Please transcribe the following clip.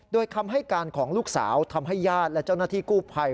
โดยคำให้การของลูกสาวทำให้ญาติและเจ้าหน้าที่กู้ภัย